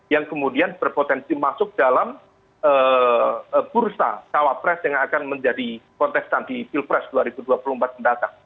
yang kemudian berpotensi masuk dalam bursa cawapres yang akan menjadi kontestan di pilpres dua ribu dua puluh empat mendatang